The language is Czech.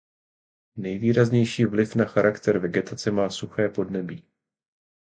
Nejvýraznější vliv na charakter vegetace má suché podnebí.